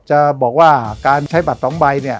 จะบอกว่าการใช้บัตร๒ใบ